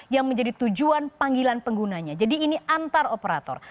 yang menjadi tujuan panggilan penggunanya jadi ini antar operator